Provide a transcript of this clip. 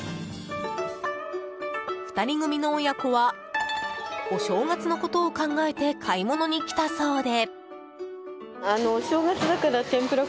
２人組の親子はお正月のことを考えて買い物に来たそうで。